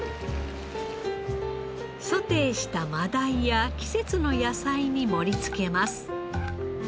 ソテーした真鯛や季節の野菜に盛り付けます。